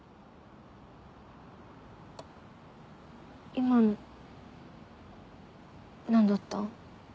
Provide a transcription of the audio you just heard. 今の何だった？